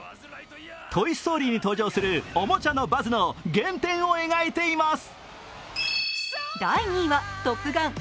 「トイ・ストーリー」に登場するおもちゃのバズの原点を描いています。